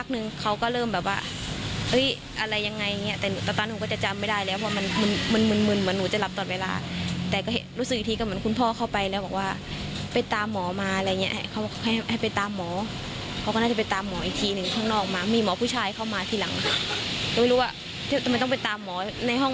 เขาก็เริ่มแบบว่าอะไรยังไงแต่หนูตั้งแต่หนูก็จัดจ